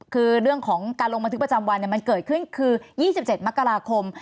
คือเรื่องของการลงบันทึกประจำวันมันเกิดขึ้นคือ๒๗มกราคม